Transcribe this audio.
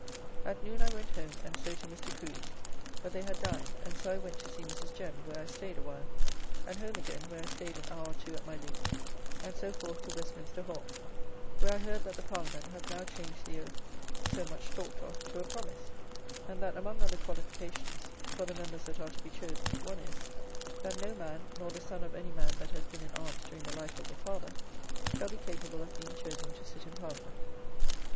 At noon I went home and so to Mr. Crew's, but they had dined, and so I went to see Mrs. Jem where I stayed a while, and home again where I stayed an hour or two at my lute, and so forth to Westminster Hall, where I heard that the Parliament hath now changed the oath so much talked of to a promise; and that among other qualifications for the members that are to be chosen, one is, that no man, nor the son of any man that hath been in arms during the life of the father, shall be capable of being chosen to sit in Parliament.